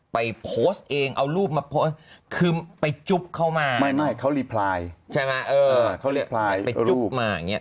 ไปโพสต์เองเอารูปมาโพสต์คือไปจุ๊บเขามาไม่เขารีพลายใช่ไหมเออเขารีพลายรูปมา